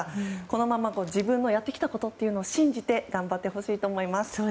このまま自分のやってきたことを信じて頑張ってほしいと思います。